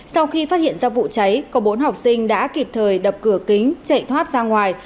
sau khi phát hiện ra vụ cháy có bốn học sinh đã kịp thời đập cửa kính chạy thoát ra ngoài